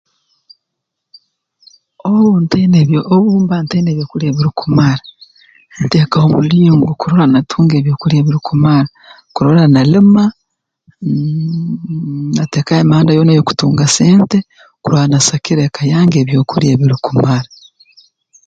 Obu ntaine ebyo obu mba ntaine ebyokulya ebirukumara nteekaho omulingo kurora natunga ebyokulya ebirukumara kurora nalima nnh nateekaho emihanda yoona ey'okutunga sente kurora nasakira eka yange ebyokulya ebirukumara